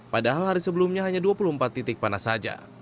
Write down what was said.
padahal hari sebelumnya hanya dua puluh empat titik panas saja